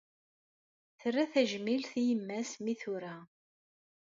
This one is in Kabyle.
Terra tajmilt i yemma-s mi tura